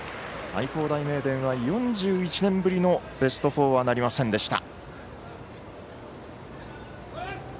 愛工大名電は４１年ぶりのベスト４はなりませんでした。